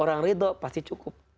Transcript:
orang ridho pasti cukup